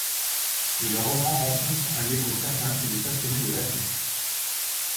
Et le roman rencontre un écho certain chez les passionnés de l'Afrique.